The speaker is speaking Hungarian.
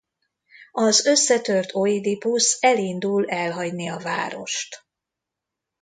Az összetört Oidipusz elindul elhagyni a várost.